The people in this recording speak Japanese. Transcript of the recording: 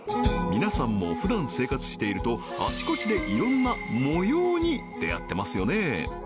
皆さんもふだん生活しているとあちこちで色んな模様に出会ってますよね